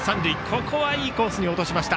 ここはいいコースに落としました。